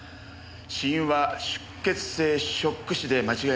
死因は出血性ショック死で間違いないでしょう。